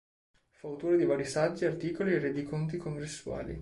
Fu autore di vari saggi, articoli e rendiconti congressuali.